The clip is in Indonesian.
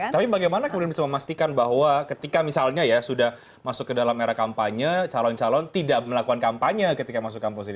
tapi bagaimana kemudian bisa memastikan bahwa ketika misalnya ya sudah masuk ke dalam era kampanye calon calon tidak melakukan kampanye ketika masuk kampus ini